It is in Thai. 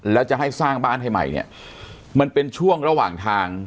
แล้วจะให้สร้างบ้านให้ใหม่เนี่ยมันเป็นช่วงระหว่างทาง